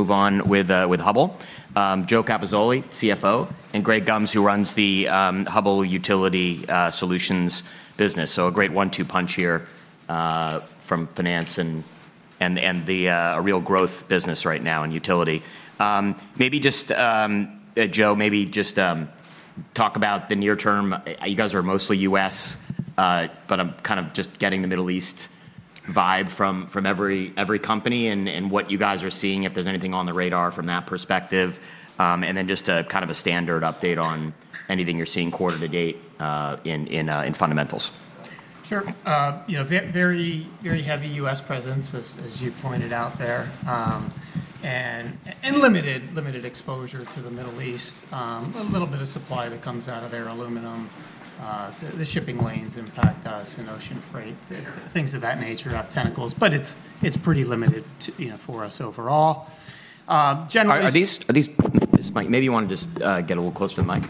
Move on with Hubbell. Joe Capozzoli, CFO, and Greg Gumbs, who runs the Hubbell Utility Solutions business. A great one-two punch here from finance and a real growth business right now in utility. Maybe just, Joe, talk about the near term. You guys are mostly U.S., but I'm kind of just getting the Middle East vibe from every company and what you guys are seeing, if there's anything on the radar from that perspective. Then just kind of a standard update on anything you're seeing quarter to date in fundamentals. Sure. You know, very heavy U.S. presence as you pointed out there. Limited exposure to the Middle East. A little bit of supply that comes out of there, aluminum. The shipping lanes impact us and ocean freight, things of that nature, tentacles. It's pretty limited, you know, for us overall. Generally- Are these, this mic. Maybe you wanna just get a little closer to the mic.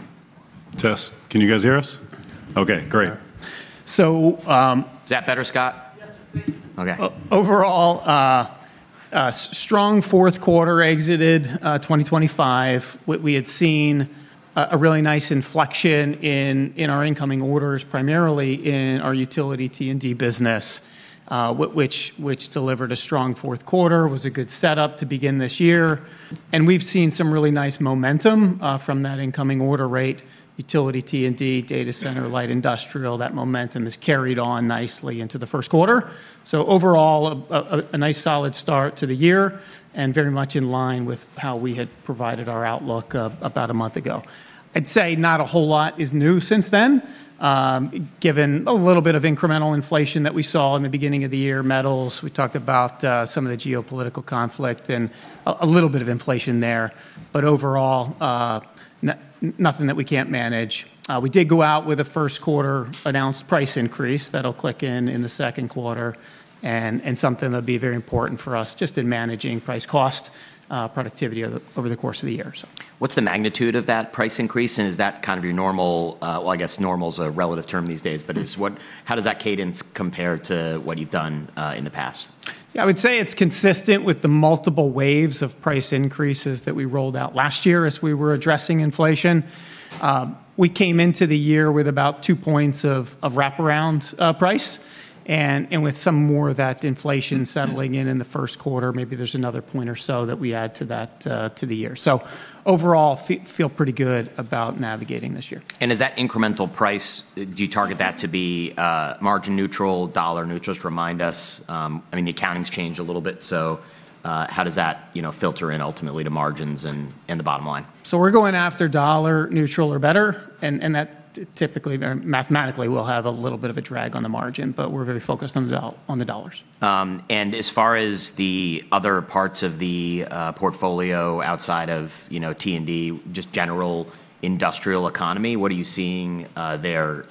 Test. Can you guys hear us? Okay, great. So, um- Is that better, Scott? Okay. Overall, a strong fourth quarter exited 2025. What we had seen, a really nice inflection in our incoming orders, primarily in our utility T&D business, which delivered a strong fourth quarter, was a good setup to begin this year. We've seen some really nice momentum from that incoming order rate, utility T&D, data center, light industrial. That momentum has carried on nicely into the first quarter. Overall, a nice solid start to the year, and very much in line with how we had provided our outlook about a month ago. I'd say not a whole lot is new since then, given a little bit of incremental inflation that we saw in the beginning of the year, metals. We talked about some of the geopolitical conflict and a little bit of inflation there. Overall, nothing that we can't manage. We did go out with a first quarter announced price increase that'll click in the second quarter, and something that'll be very important for us just in managing price cost, productivity over the course of the year, so. What's the magnitude of that price increase, and is that kind of your normal? Well, I guess normal is a relative term these days. How does that cadence compare to what you've done in the past? Yeah, I would say it's consistent with the multiple waves of price increases that we rolled out last year as we were addressing inflation. We came into the year with about 2 points of wraparound price, and with some more of that inflation settling in in the first quarter, maybe there's another point or so that we add to that, to the year. Overall, feel pretty good about navigating this year. Is that incremental price, do you target that to be, margin neutral, dollar neutral? Just remind us. I mean, the accounting's changed a little bit, so, how does that, you know, filter in ultimately to margins and the bottom line? We're going after dollar neutral or better, and that typically, very mathematically, will have a little bit of a drag on the margin, but we're very focused on the dollars. As far as the other parts of the portfolio outside of, you know, T&D, just general industrial economy, what are you seeing there?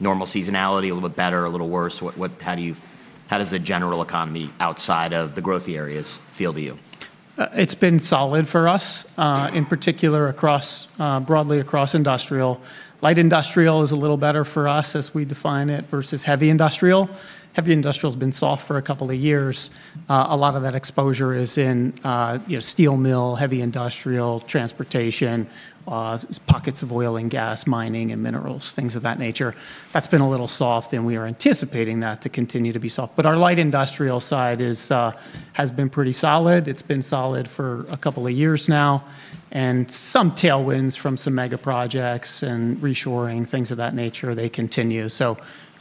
Normal seasonality, a little bit better, a little worse? What, how does the general economy outside of the growthy areas feel to you? It's been solid for us, in particular across, broadly across industrial. Light industrial is a little better for us as we define it versus heavy industrial. Heavy industrial's been soft for a couple of years. A lot of that exposure is in, you know, steel mill, heavy industrial, transportation, pockets of oil and gas, mining and minerals, things of that nature. That's been a little soft, and we are anticipating that to continue to be soft. Our light industrial side is, has been pretty solid. It's been solid for a couple of years now, and some tailwinds from some mega projects and reshoring, things of that nature, they continue.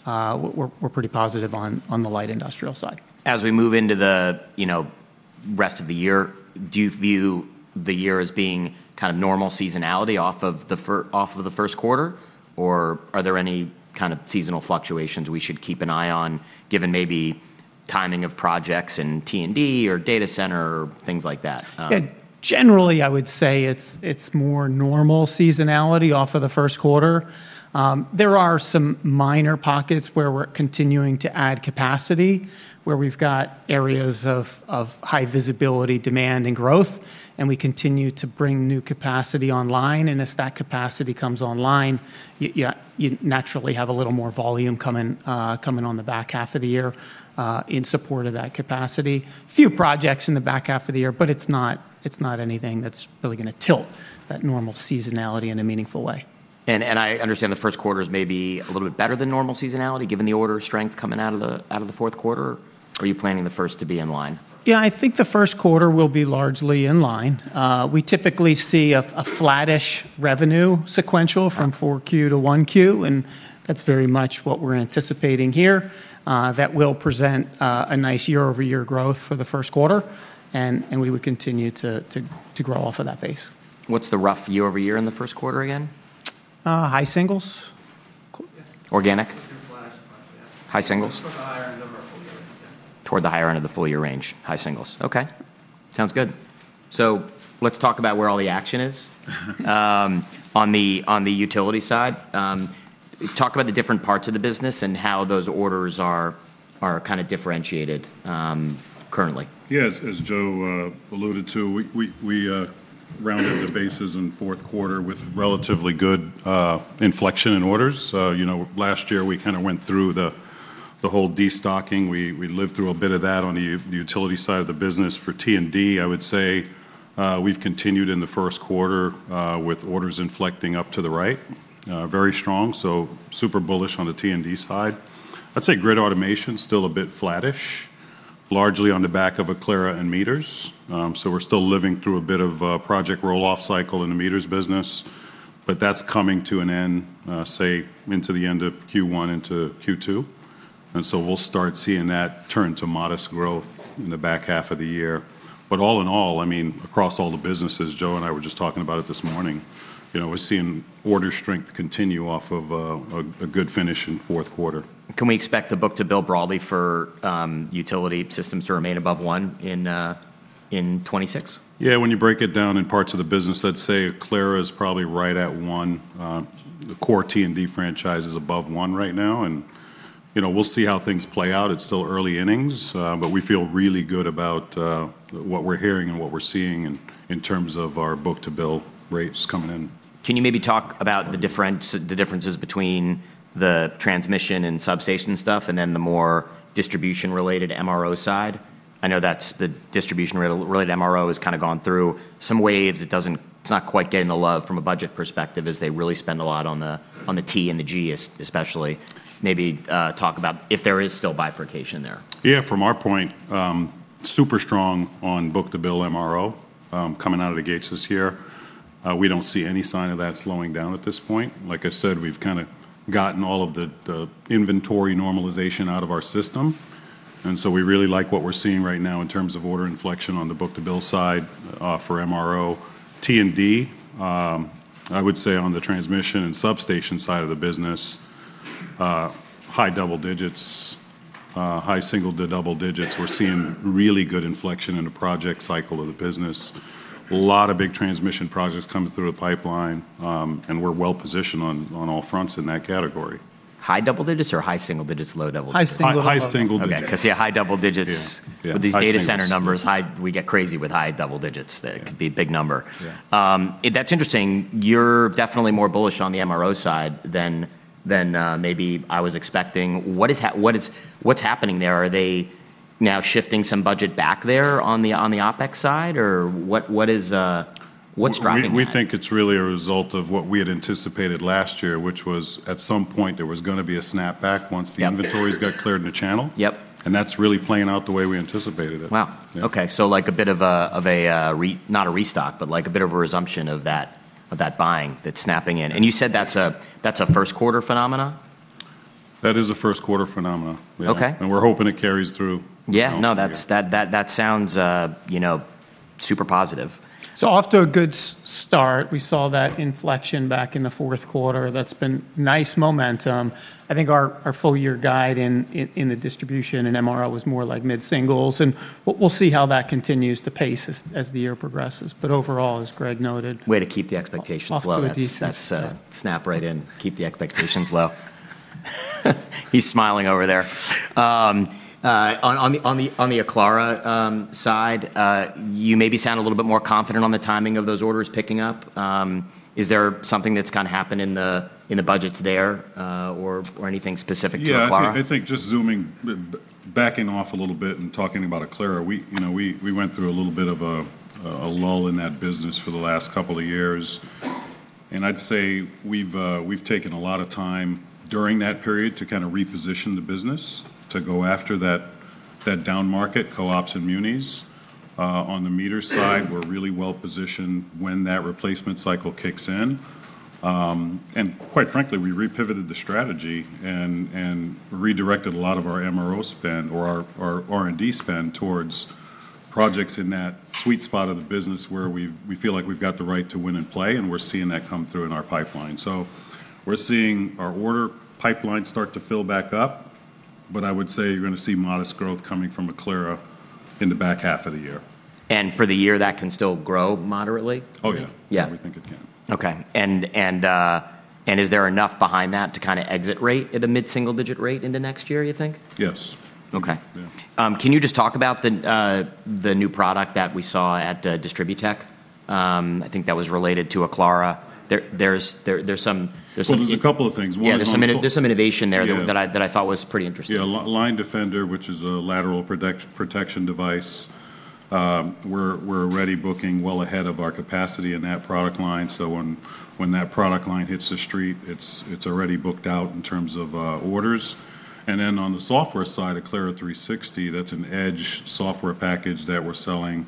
We're pretty positive on the light industrial side. As we move into the you know rest of the year, do you view the year as being kind of normal seasonality off of the first quarter, or are there any kind of seasonal fluctuations we should keep an eye on given maybe timing of projects in T&D or data center or things like that? Yeah. Generally, I would say it's more normal seasonality off of the first quarter. There are some minor pockets where we're continuing to add capacity, where we've got areas of high visibility demand and growth, and we continue to bring new capacity online. As that capacity comes online, yeah, you naturally have a little more volume coming on the back half of the year in support of that capacity. Few projects in the back half of the year, but it's not anything that's really gonna tilt that normal seasonality in a meaningful way. I understand the first quarter is maybe a little bit better than normal seasonality, given the order strength coming out of the fourth quarter. Are you planning the first to be in line? Yeah, I think the first quarter will be largely in line. We typically see a flattish revenue sequentially from 4Q to 1Q, and that's very much what we're anticipating here. That will present a nice year-over-year growth for the first quarter, and we would continue to grow off of that base. What's the rough year-over-year in the first quarter again? High singles. Organic? High singles? Toward the higher end of the full year range. High singles. Okay. Sounds good. Let's talk about where all the action is. On the utility side. Talk about the different parts of the business and how those orders are kinda differentiated currently. Yeah. As Joe alluded to, we rounded the bases in fourth quarter with relatively good inflection in orders. You know, last year we kinda went through the whole destocking, we lived through a bit of that on the utility side of the business. For T&D, I would say we've continued in the first quarter with orders inflecting up to the right, very strong. Super bullish on the T&D side. I'd say grid automation's still a bit flattish, largely on the back of Aclara and meters. We're still living through a bit of a project roll-off cycle in the meters business, but that's coming to an end, say into the end of Q1 into Q2. We'll start seeing that turn to modest growth in the back half of the year. All in all, I mean, across all the businesses, Joe and I were just talking about it this morning, you know, we're seeing order strength continue off of a good finish in fourth quarter. Can we expect the book-to-bill broadly for utility systems to remain above one in 2026? Yeah, when you break it down in parts of the business, I'd say Aclara is probably right at one. The core T&D franchise is above one right now, and, you know, we'll see how things play out. It's still early innings, but we feel really good about what we're hearing and what we're seeing in terms of our book-to-bill rates coming in. Can you maybe talk about the differences between the transmission and substation stuff, and then the more distribution-related MRO side? I know that's the distribution-related MRO has kind of gone through some waves. It doesn't, it's not quite getting the love from a budget perspective, as they really spend a lot on the T&D especially. Maybe talk about if there is still bifurcation there. Yeah, from our point, super strong on book-to-bill MRO, coming out of the gates this year. We don't see any sign of that slowing down at this point. Like I said, we've kind of gotten all of the inventory normalization out of our system, and so we really like what we're seeing right now in terms of order inflection on the book-to-bill side, for MRO. T&D, I would say on the transmission and substation side of the business, high double digits, high single to double digits. We're seeing really good inflection in the project cycle of the business. A lot of big transmission projects coming through the pipeline, and we're well positioned on all fronts in that category. High double digits or high single digits, low double digits? High single. High single digits. Okay, 'cause yeah, high double digits. Yeah. Yeah With these data center numbers, high, we get crazy with high double digits. That could be a big number. Yeah. That's interesting. You're definitely more bullish on the MRO side than maybe I was expecting. What's happening there? Are they now shifting some budget back there on the OpEx side? Or what's driving that? We think it's really a result of what we had anticipated last year, which was at some point there was gonna be a snap back once. Yep The inventories got cleared in the channel. Yep. That's really playing out the way we anticipated it. Wow. Yeah. Okay, like a bit of a not a restock, but like a bit of a resumption of that buying that's snapping in. You said that's a first quarter phenomenon? That is a first quarter phenomenon. Okay. We're hoping it carries through. Yeah, no.. The balance of the year. That sounds, you know, super positive. Off to a good start. We saw that inflection back in the fourth quarter. That's been nice momentum. I think our full year guide in the distribution and MRO was more like mid singles, and we'll see how that continues to pace as the year progresses. Overall, as Greg noted. Way to keep the expectations low. Off to a decent start. That's snap right in. Keep the expectations low. He's smiling over there. On the Aclara side, you maybe sound a little bit more confident on the timing of those orders picking up. Is there something that's gonna happen in the budgets there, or anything specific to Aclara? Yeah, I think just zooming, backing off a little bit and talking about Aclara, you know, we went through a little bit of a lull in that business for the last couple of years. I'd say we've taken a lot of time during that period to kind of reposition the business to go after that downmarket, co-ops and munis. On the meter side, we're really well positioned when that replacement cycle kicks in. Quite frankly, we repivoted the strategy and redirected a lot of our MRO spend or our R&D spend towards projects in that sweet spot of the business where we feel like we've got the right to win and play, and we're seeing that come through in our pipeline. We're seeing our order pipeline start to fill back up, but I would say you're gonna see modest growth coming from Aclara in the back half of the year. For the year, that can still grow moderately? Oh, yeah. Yeah. We think it can. Okay. Is there enough behind that to kind of exit rate at a mid-single-digit rate into next year, you think? Yes. Okay. Yeah. Can you just talk about the new product that we saw at DistribuTECH? I think that was related to Aclara. There's some- Well, there's a couple of things. One is on- Yeah, there's some innovation there. Yeah that I thought was pretty interesting. Yeah. LineDefender, which is a lateral protection device, we're already booking well ahead of our capacity in that product line. When that product line hits the street, it's already booked out in terms of orders. On the software side, Aclara360, that's an edge software package that we're selling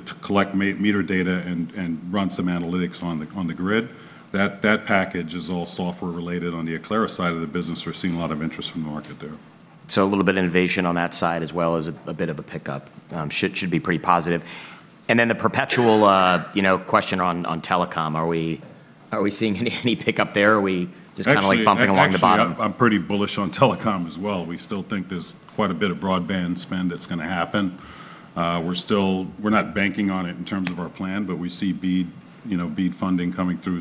to collect meter data and run some analytics on the grid. That package is all software related. On the Aclara side of the business, we're seeing a lot of interest from the market there. A little bit innovation on that side as well as a bit of a pickup. Should be pretty positive. The perpetual, you know, question on telecom. Are we seeing any pickup there? Are we just kind of like bumping along the bottom? Actually, I'm pretty bullish on telecom as well. We still think there's quite a bit of broadband spend that's gonna happen. We're not banking on it in terms of our plan, but we see BEAD, you know, BEAD funding coming through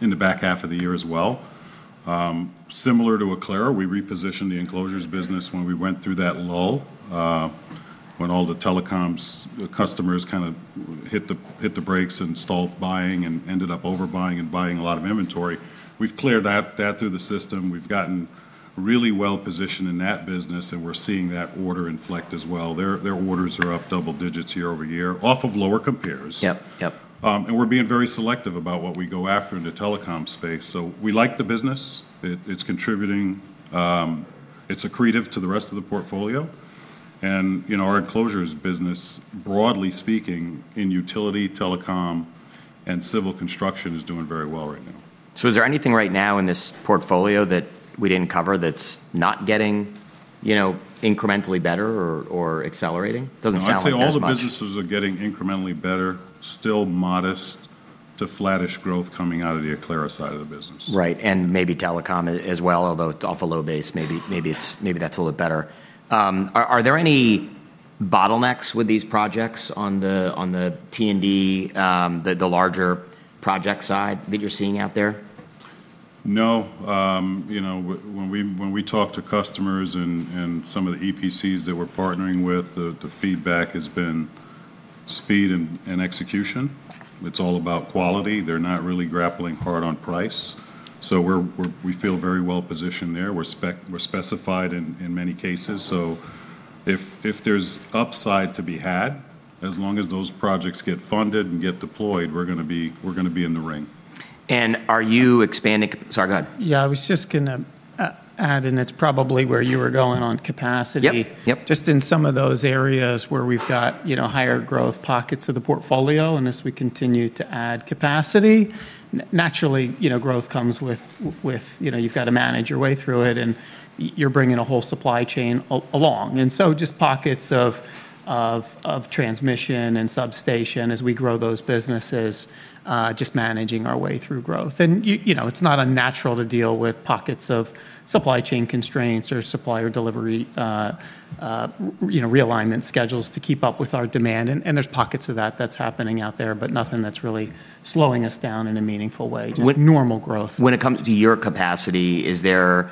in the back half of the year as well. Similar to Aclara, we repositioned the enclosures business when we went through that lull. When all the telecoms customers kind of hit the brakes and stalled buying and ended up overbuying and buying a lot of inventory. We've cleared that through the system. We've gotten really well positioned in that business, and we're seeing that order inflect as well. Their orders are up double digits year-over-year off of lower compares. Yep. Yep. We're being very selective about what we go after in the telecom space. We like the business. It's contributing, it's accretive to the rest of the portfolio. You know, our enclosures business, broadly speaking, in utility, telecom, and civil construction is doing very well right now. Is there anything right now in this portfolio that we didn't cover that's not getting, you know, incrementally better or accelerating? Doesn't sound like there is much. No, I'd say all the businesses are getting incrementally better, still modest to flattish growth coming out of the Aclara side of the business. Right, and maybe telecom as well, although it's off a low base, maybe that's a little better. Are there any bottlenecks with these projects on the T&D, the larger project side that you're seeing out there? No. You know, when we talk to customers and some of the EPCs that we're partnering with, the feedback has been speed and execution. It's all about quality. They're not really grappling hard on price. We feel very well positioned there. We're specified in many cases. If there's upside to be had, as long as those projects get funded and get deployed, we're gonna be in the ring. And are you expanding- Sorry, go ahead. Yeah, I was just gonna add, and it's probably where you were going on capacity. Yep, yep. Just in some of those areas where we've got, you know, higher growth pockets of the portfolio, and as we continue to add capacity, naturally, you know, growth comes with, you know, you've got to manage your way through it, and you're bringing a whole supply chain along. Just pockets of transmission and substation as we grow those businesses, just managing our way through growth. You know, it's not unnatural to deal with pockets of supply chain constraints or supplier delivery, you know, realignment schedules to keep up with our demand. There's pockets of that that's happening out there, but nothing that's really slowing us down in a meaningful way. When- Just normal growth. When it comes to your capacity, is there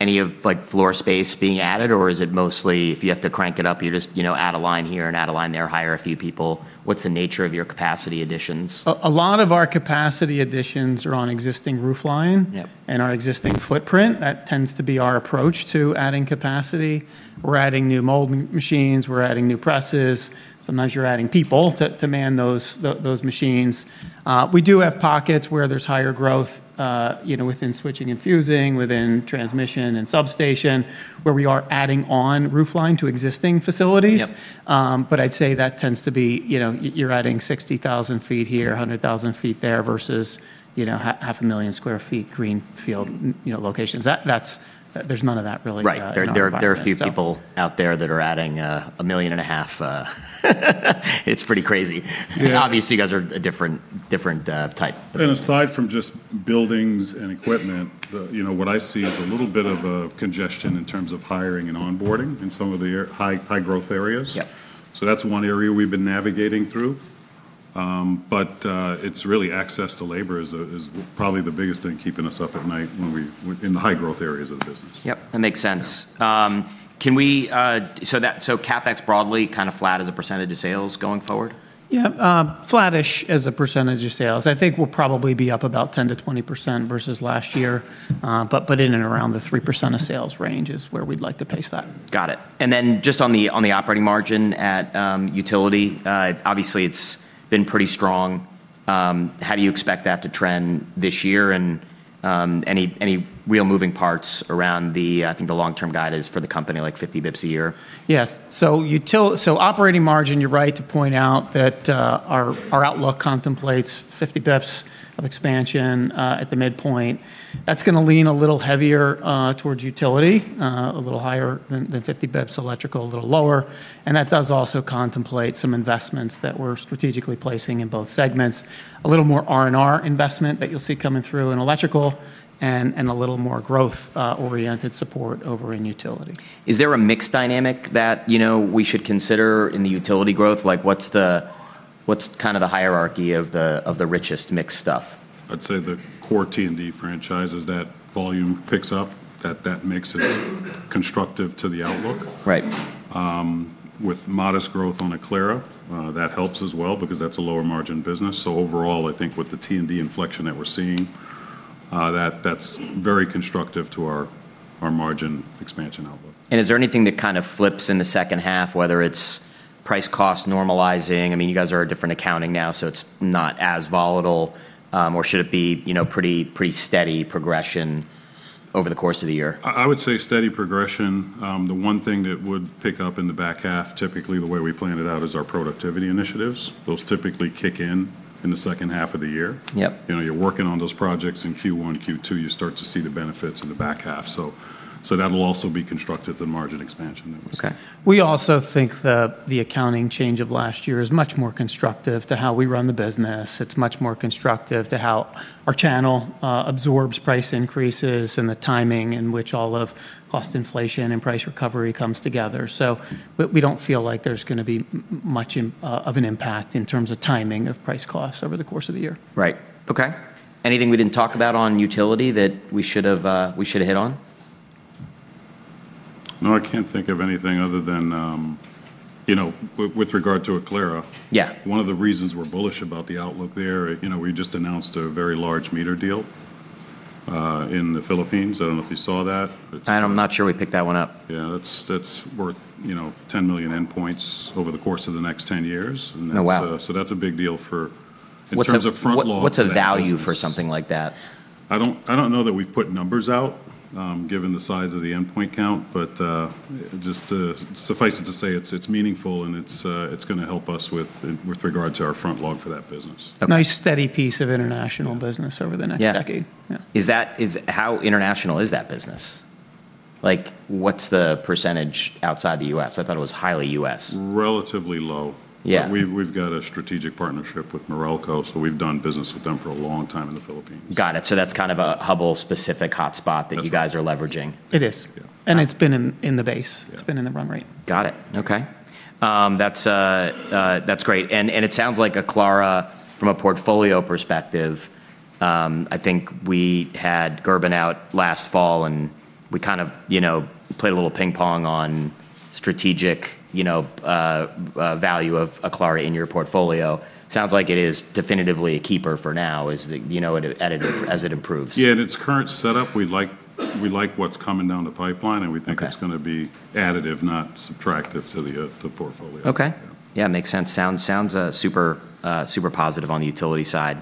any of, like, floor space being added, or is it mostly if you have to crank it up, you just, you know, add a line here and add a line there, hire a few people? What's the nature of your capacity additions? A lot of our capacity additions are on existing roof line. Yep. Our existing footprint. That tends to be our approach to adding capacity. We're adding new mold machines. We're adding new presses. Sometimes you're adding people to man those machines. We do have pockets where there's higher growth, you know, within switching and fusing, within transmission and substation, where we are adding on roof line to existing facilities. Yep. I'd say that tends to be, you know, you're adding 60,000 feet here, 100,000 feet there versus, you know, 500,000 square feet greenfield locations. That's, there's none of that really- Right. in our environment. There are a few people out there that are adding $1.5 million. It's pretty crazy. Yeah. Obviously, you guys are a different type of business. Aside from just buildings and equipment, you know, what I see is a little bit of a congestion in terms of hiring and onboarding in some of the high-growth areas. Yep. That's one area we've been navigating through. It's really access to labor is probably the biggest thing keeping us up at night when we, in the high growth areas of the business. Yep, that makes sense. Yeah. Can we- so CapEx broadly kinda flat as a percentage of sales going forward? Yeah, flattish as a percentage of sales. I think we'll probably be up about 10%-20% versus last year. In and around the 3% of sales range is where we'd like to pace that. Got it. Just on the operating margin at utility, obviously it's been pretty strong. How do you expect that to trend this year? Any real moving parts around that, I think the long-term guide is for the company, like 50 basis points a year? Yes. So operating margin, you're right to point out that our outlook contemplates 50 basis points of expansion at the midpoint. That's gonna lean a little heavier towards utility, a little higher than 50 basis points electrical, a little lower. That does also contemplate some investments that we're strategically placing in both segments. A little more R&D investment that you'll see coming through in electrical and a little more growth oriented support over in utility. Is there a mix dynamic that, you know, we should consider in the utility growth? Like, what's kinda the hierarchy of the richest mix stuff? I'd say the core T&D franchise is that volume picks up, that mix is constructive to the outlook. Right. With modest growth on Aclara, that helps as well because that's a lower margin business. Overall, I think with the T&D inflection that we're seeing, that's very constructive to our margin expansion outlook. Is there anything that kind of flips in the second half, whether it's price cost normalizing? I mean, you guys are a different accounting now, so it's not as volatile. Or should it be, you know, pretty steady progression over the course of the year? I would say steady progression. The one thing that would pick up in the back half, typically the way we planned it out, is our productivity initiatives. Those typically kick in in the second half of the year. Yep. You know, you're working on those projects in Q1, Q2, you start to see the benefits in the back half. That'll also be constructive to the margin expansion that was. Okay. We also think the accounting change of last year is much more constructive to how we run the business. It's much more constructive to how our channel absorbs price increases and the timing in which all of cost inflation and price recovery comes together. We don't feel like there's gonna be much of an impact in terms of timing of price costs over the course of the year. Right. Okay. Anything we didn't talk about on utility that we should have, we should hit on? No, I can't think of anything other than, you know, with regard to Aclara. Yeah. One of the reasons we're bullish about the outlook there, you know, we just announced a very large meter deal in the Philippines. I don't know if you saw that. I'm not sure we picked that one up. Yeah, that's worth, you know, 10 million endpoints over the course of the next 10 years. Oh, wow. That's a big deal for- What's a- In terms of front log for that business. What's a value for something like that? I don't know that we've put numbers out, given the size of the endpoint count. Just suffice it to say it's meaningful and it's gonna help us with regard to our backlog for that business. Okay. Nice steady piece of international business over the next decade. Yeah. Yeah. How international is that business? Like, what's the percentage outside the US? I thought it was highly US. Relatively low. Yeah. We've got a strategic partnership with Meralco, so we've done business with them for a long time in the Philippines. Got it. That's kind of a Hubbell specific hotspot- That's right. that you guys are leveraging. It is. Yeah. It's been in the base. Yeah. It's been in the run rate. Got it. Okay. That's great. It sounds like Aclara, from a portfolio perspective, I think we had Gerben out last fall, and we kind of, you know, played a little ping pong on strategic value of Aclara in your portfolio. Sounds like it is definitively a keeper for now, as, you know, it's additive as it improves. Yeah, in its current setup, we like what's coming down the pipeline. Okay. We think it's gonna be additive, not subtractive to the portfolio. Okay. Yeah. Yeah, makes sense. Sounds super positive on the utility side.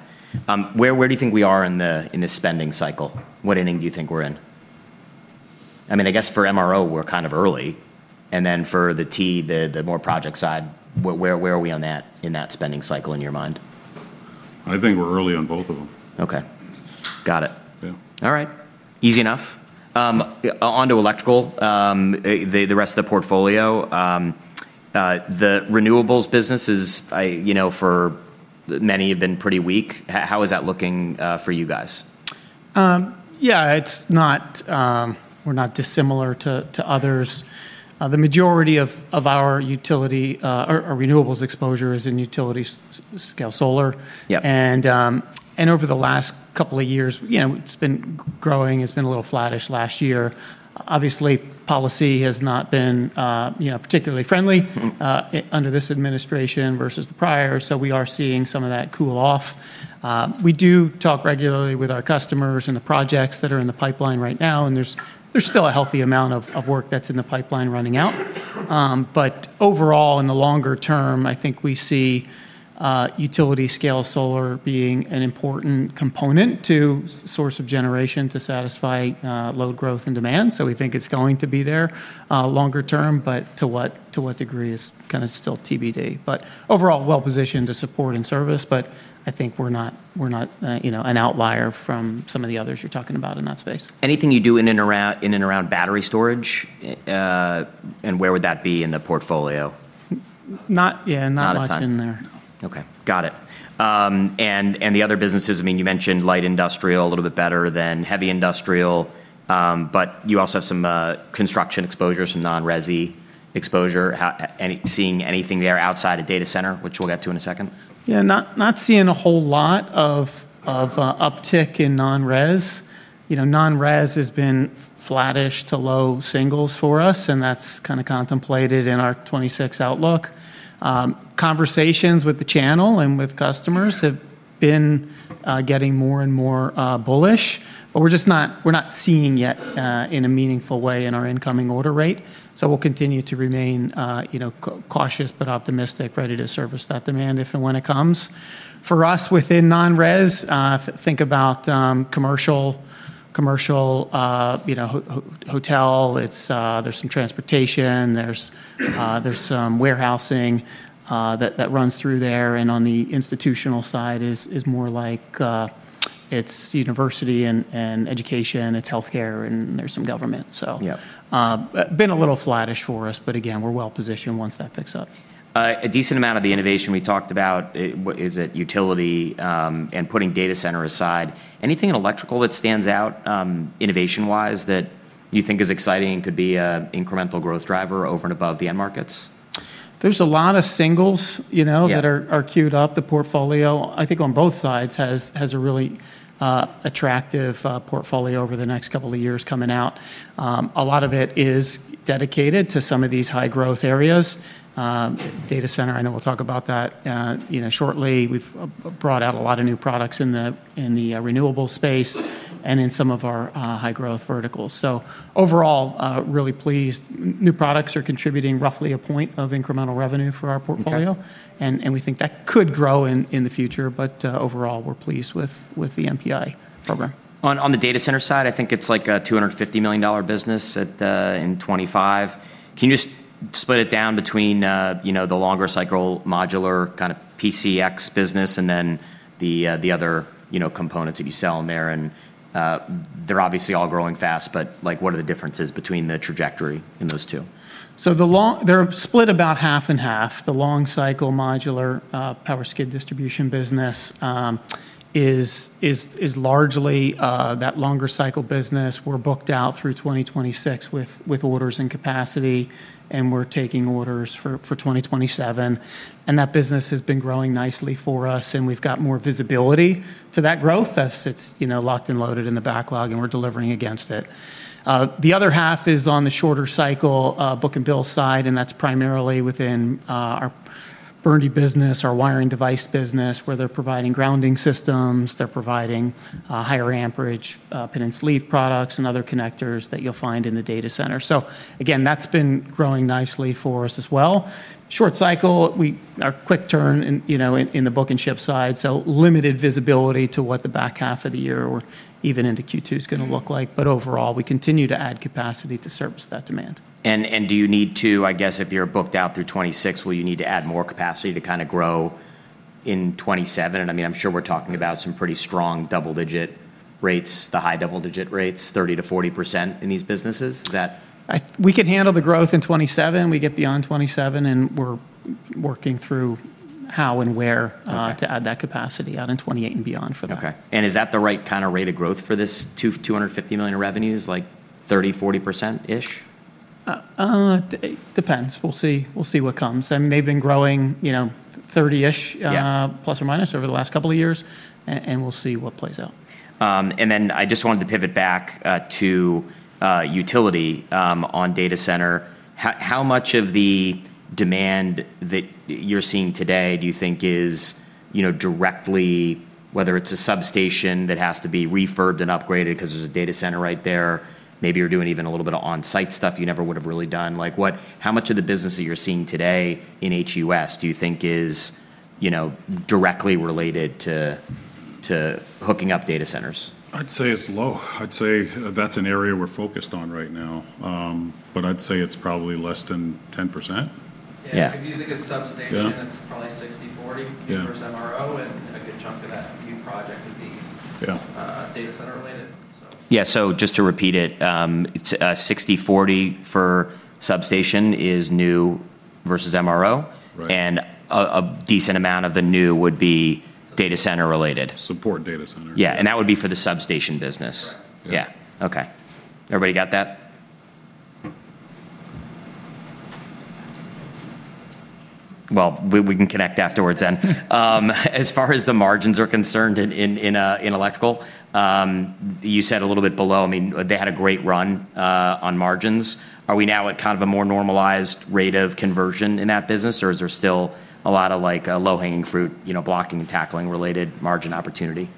Where do you think we are in the spending cycle? What inning do you think we're in? I mean, I guess for MRO, we're kind of early. Then for the T&D, the more project side, where are we on that in the spending cycle in your mind? I think we're early on both of them. Okay. Got it. Yeah. All right. Easy enough. Onto electrical. The rest of the portfolio, the renewables business is, you know, for many have been pretty weak. How is that looking, for you guys? Yeah it's not. We're not dissimilar to others. The majority of our utility or renewables exposure is in utility scale solar. Yep. Over the last couple of years, you know, it's been growing. It's been a little flattish last year. Obviously, policy has not been, you know, particularly friendly. Mm-hmm. Under this administration versus the prior, we are seeing some of that cool off. We do talk regularly with our customers and the projects that are in the pipeline right now, and there's still a healthy amount of work that's in the pipeline running out. Overall, in the longer term, I think we see utility scale solar being an important component to source of generation to satisfy load growth and demand. We think it's going to be there longer term, but to what degree is kinda still TBD. Overall, well positioned to support and service, but I think we're not, you know, an outlier from some of the others you're talking about in that space. Anything you do in and around battery storage? Where would that be in the portfolio? Yeah, not much in there. Not a ton. Okay. Got it. The other businesses, I mean, you mentioned light industrial a little bit better than heavy industrial, but you also have some construction exposure, some non-resi exposure. How are you seeing anything there outside of data center, which we'll get to in a second? Yeah. Not seeing a whole lot of uptick in non-res. You know, non-res has been flattish to low singles for us, and that's kinda contemplated in our 2026 outlook. Conversations with the channel and with customers have been getting more and more bullish. But we're just not seeing yet in a meaningful way in our incoming order rate. So we'll continue to remain, you know, cautious but optimistic, ready to service that demand if and when it comes. For us, within non-res, if you think about commercial, you know, hotel, it's there's some transportation, there's some warehousing that runs through there, and on the institutional side is more like it's university and education, it's healthcare, and there's some government, so. Yep. Been a little flattish for us, but again, we're well positioned once that picks up. A decent amount of the innovation we talked about, what is it? Utility, and putting data center aside, anything in electrical that stands out, innovation-wise that you think is exciting and could be an incremental growth driver over and above the end markets? There's a lot of singles, you know- Yeah. that are queued up. The portfolio, I think on both sides, has a really attractive portfolio over the next couple of years coming out. A lot of it is dedicated to some of these high growth areas. Data center, I know we'll talk about that, you know, shortly. We've brought out a lot of new products in the renewable space and in some of our high growth verticals. Overall, really pleased. New products are contributing roughly a point of incremental revenue for our portfolio. Okay. And we think that could grow in the future, but overall, we're pleased with the NPI program. On the data center side, I think it's like a $250 million business in 2025. Can you just split it down between, you know, the longer cycle modular kind of PCX business, and then the other, you know, components that you sell in there? They're obviously all growing fast, but, like, what are the differences between the trajectory in those two? They're split about half and half. The long cycle modular power skid distribution business is largely that longer cycle business. We're booked out through 2026 with orders and capacity, and we're taking orders for 2027. That business has been growing nicely for us, and we've got more visibility to that growth as it's, you know, locked and loaded in the backlog, and we're delivering against it. The other half is on the shorter cycle book-to-bill side, and that's primarily within our Burndy business, our wiring device business, where they're providing grounding systems, they're providing higher amperage pin and sleeve products and other connectors that you'll find in the data center. Again, that's been growing nicely for us as well. Short cycle, our quick turn in, you know, in the book-and-ship side, so limited visibility to what the back half of the year or even into Q2 is gonna look like. Overall, we continue to add capacity to service that demand. And do you need to, I guess, if you're booked out through 2026, will you need to add more capacity to kinda grow in 2027? I mean, I'm sure we're talking about some pretty strong double-digit rates, the high double-digit rates, 30%-40% in these businesses. Is that? We could handle the growth in 2027. We get beyond 2027, and we're working through how and where- Okay to add that capacity out in 2028 and beyond for that. Okay. Is that the right kinda rate of growth for this $250 million in revenues, like 30%-40% ish? Depends. We'll see what comes. I mean, they've been growing, you know, 30-ish- Yeah Plus or minus over the last couple of years, and we'll see what plays out. I just wanted to pivot back to utility on data center. How much of the demand that you're seeing today do you think is, you know, directly, whether it's a substation that has to be refurbed and upgraded 'cause there's a data center right there, maybe you're doing even a little bit of on-site stuff you never would've really done. How much of the business that you're seeing today in HUS do you think is, you know, directly related to hooking up data centers? I'd say it's low. I'd say that's an area we're focused on right now. I'd say it's probably less than 10%. Yeah. Yeah Yeah Yeah Yeah, just to repeat it's 60/40 for substations, new versus MRO. Right. A decent amount of the new would be data center related. Support data center. Yeah, that would be for the substation business. Yeah. Yeah. Okay. Everybody got that? Well, we can connect afterwards then. As far as the margins are concerned in electrical, you said a little bit below. I mean, they had a great run on margins. Are we now at kind of a more normalized rate of conversion in that business, or is there still a lot of like low-hanging fruit, you know, blocking and tackling related margin opportunity?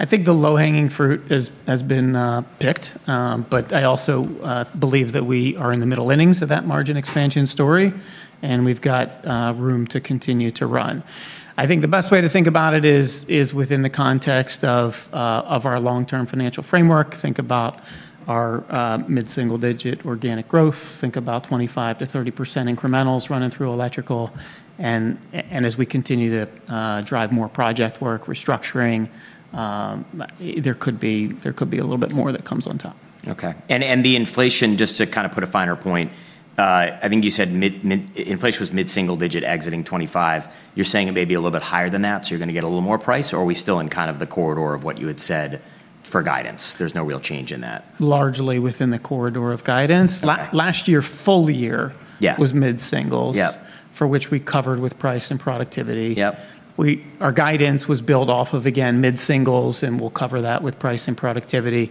I think the low-hanging fruit has been picked, but I also believe that we are in the middle innings of that margin expansion story, and we've got room to continue to run. I think the best way to think about it is within the context of our long-term financial framework. Think about our mid-single-digit organic growth. Think about 25%-30% incrementals running through electrical. As we continue to drive more project work, restructuring, there could be a little bit more that comes on top. The inflation, just to kind of put a finer point, I think you said mid-single digit inflation exiting 2025. You're saying it may be a little bit higher than that, so you're gonna get a little more price? Or are we still in kind of the corridor of what you had said for guidance? There's no real change in that. Largely within the corridor of guidance. Last year, full year- Yeah was mid-singles. Yep. For which we covered with price and productivity. Yep. Our guidance was built off of, again, mid-singles, and we'll cover that with price and productivity.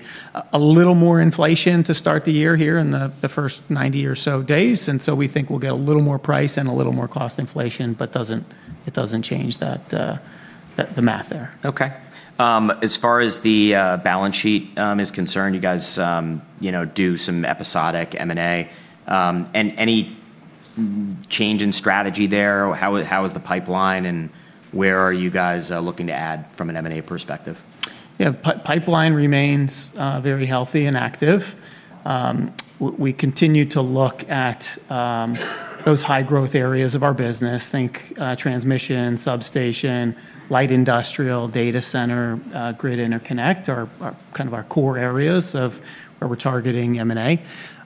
A little more inflation to start the year here in the first 90 or so days, and we think we'll get a little more price and a little more cost inflation, but it doesn't change that, the math there. Okay. As far as the balance sheet is concerned, you guys, you know, do some episodic M&A. Any change in strategy there? How is the pipeline, and where are you guys looking to add from an M&A perspective? Yeah. Pipeline remains very healthy and active. We continue to look at those high-growth areas of our business. Think transmission, substation, light industrial, data center, grid interconnect are kind of our core areas of where we're targeting M&A.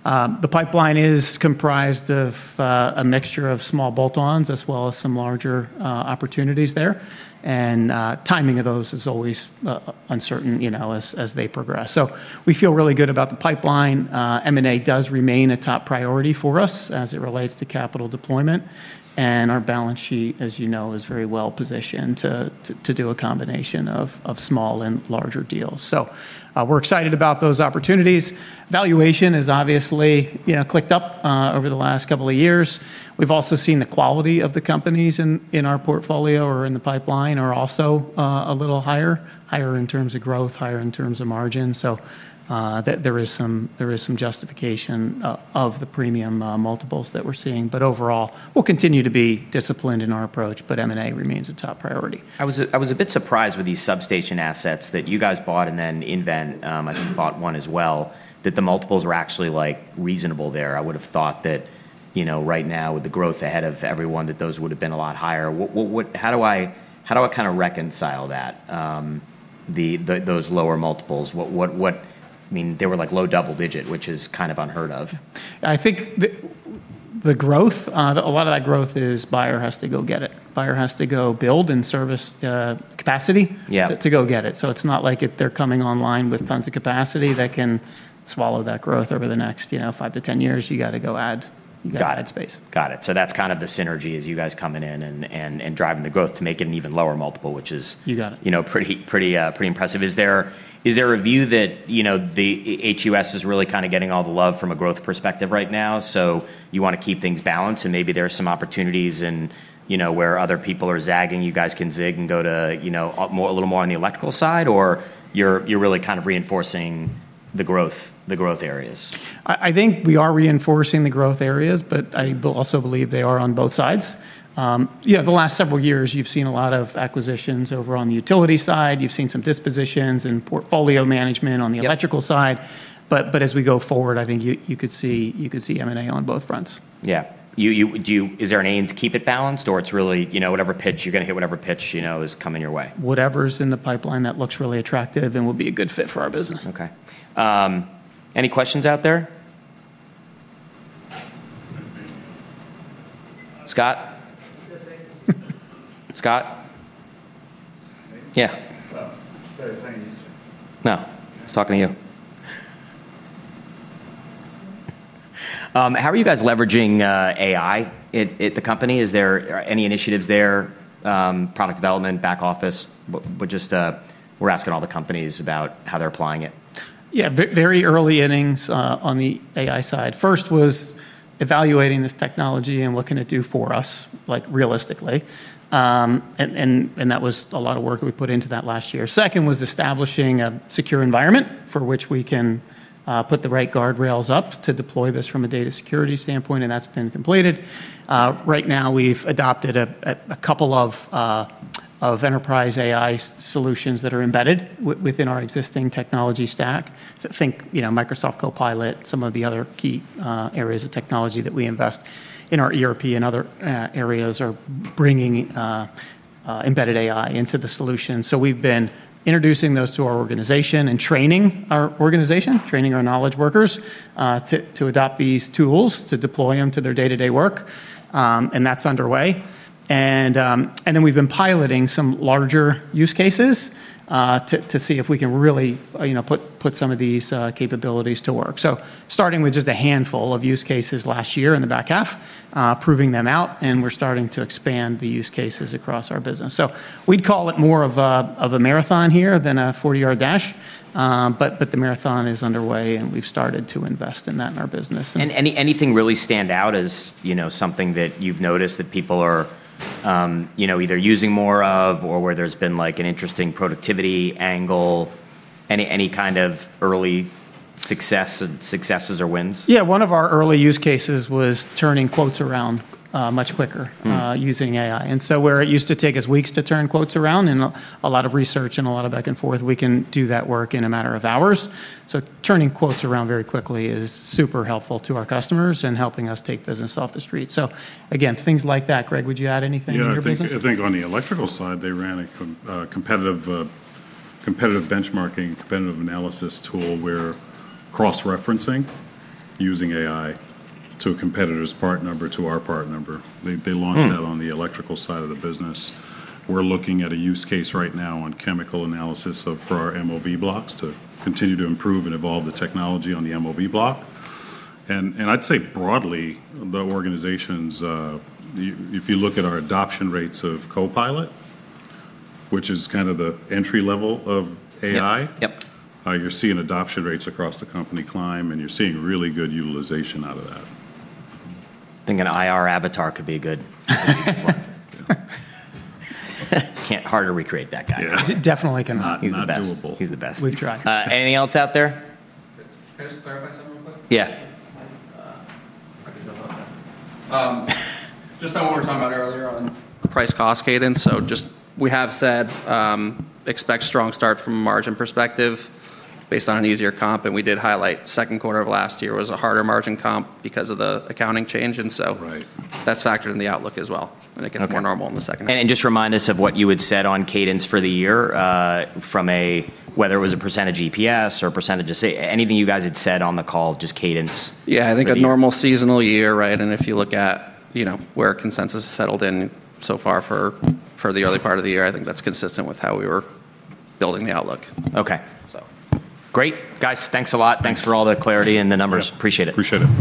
The pipeline is comprised of a mixture of small bolt-ons as well as some larger opportunities there. Timing of those is always uncertain, you know, as they progress. We feel really good about the pipeline. M&A does remain a top priority for us as it relates to capital deployment. Our balance sheet, as you know, is very well positioned to do a combination of small and larger deals. So, we're excited about those opportunities. Valuation has obviously, you know, clicked up over the last couple of years. We've also seen the quality of the companies in our portfolio or in the pipeline are also a little higher. Higher in terms of growth, higher in terms of margin. There is some justification of the premium multiples that we're seeing. Overall, we'll continue to be disciplined in our approach, but M&A remains a top priority. I was a bit surprised with these substation assets that you guys bought and then INIVEN, I think bought one as well, that the multiples were actually, like, reasonable there. I would've thought that, you know, right now with the growth ahead of everyone, that those would've been a lot higher. How do I kinda reconcile that? The those lower multiples? What I mean, they were like low double digit, which is kind of unheard of. I think the growth, a lot of that growth is buyers have to go get it. Buyers have to go build and service capacity- Yeah to go get it. It's not like they're coming online with tons of capacity that can swallow that growth over the next, you know, 5-10 years. You gotta go add- Got it. You gotta add space. Got it. That's kind of the synergy is you guys coming in and driving the growth to make it an even lower multiple, which is- You got it. You know, pretty impressive. Is there a view that, you know, the HUS is really kind of getting all the love from a growth perspective right now, so you wanna keep things balanced, and maybe there are some opportunities in, you know, where other people are zagging, you guys can zig and go to, you know, more, a little more on the electrical side? Or you're really kind of reinforcing the growth areas. I think we are reinforcing the growth areas, but I also believe they are on both sides. Yeah, the last several years you've seen a lot of acquisitions over on the utility side. You've seen some dispositions and portfolio management on the- Yep... electrical side. As we go forward, I think you could see M&A on both fronts. Is there an aim to keep it balanced, or it's really, you know, whatever pitch you're gonna hit, whatever pitch, you know, is coming your way? Whatever's in the pipeline that looks really attractive and will be a good fit for our business. Okay. Any questions out there? Scott? Scott? Yeah. No. I was talking to you. How are you guys leveraging AI at the company? Is there any initiatives there, product development, back office? We're asking all the companies about how they're applying it. Yeah. Very early innings on the AI side. First was evaluating this technology and what can it do for us, like, realistically. And that was a lot of work that we put into that last year. Second was establishing a secure environment for which we can put the right guardrails up to deploy this from a data security standpoint, and that's been completed. Right now we've adopted a couple of enterprise AI solutions that are embedded within our existing technology stack. Think, you know, Microsoft Copilot, some of the other key areas of technology that we invest in our ERP and other areas are bringing embedded AI into the solution. We've been introducing those to our organization and training our organization, training our knowledge workers, to adopt these tools, to deploy them to their day-to-day work, and that's underway. We've been piloting some larger use cases, to see if we can really, you know, put some of these capabilities to work. Starting with just a handful of use cases last year in the back half, proving them out, and we're starting to expand the use cases across our business. We'd call it more of a marathon here than a 40-yard dash. The marathon is underway, and we've started to invest in that in our business. An-anything really stand out as, you know, something that you've noticed that people are, you know, either using more of or where there's been, like, an interesting productivity angle? Any kind of early success, successes or wins? Yeah. One of our early use cases was turning quotes around much quicker. Mm using AI. Where it used to take us weeks to turn quotes around and a lot of research and a lot of back and forth, we can do that work in a matter of hours. Turning quotes around very quickly is super helpful to our customers and helping us take business off the street. Again, things like that. Greg, would you add anything in your business? Yeah. I think on the electrical side they ran a competitive benchmarking competitive analysis tool where cross-referencing using AI to a competitor's part number to our part number. They launched that. Mm on the electrical side of the business. We're looking at a use case right now on chemical analysis of, for our MOV blocks to continue to improve and evolve the technology on the MOV block. I'd say broadly, the organization's if you look at our adoption rates of Copilot, which is kind of the entry level of AI- Yep. Yep You're seeing adoption rates across the company climb, and you're seeing really good utilization out of that. Think an IR avatar could be good. Yeah. Hard to recreate that guy. Yeah. Definitely cannot. It's not doable. He's the best. We've tried. Anything else out there? Yeah. Just on what we were talking about earlier on price cost cadence, so just we have said, expect strong start from a margin perspective based on an easier comp, and we did highlight second quarter of last year was a harder margin comp because of the accounting change, and so. Right. That's factored in the outlook as well, and it gets. Okay. More normal in the second half. Just remind us of what you had said on cadence for the year, from whether it was a percentage EPS or percentage of anything you guys had said on the call, just cadence. Yeah. I think a normal seasonal year, right? If you look at, you know, where consensus settled in so far for the early part of the year, I think that's consistent with how we were building the outlook. Okay. So. Great. Guys, thanks a lot. Thanks. Thanks for all the clarity in the numbers. Yeah. Appreciate it. Appreciate it.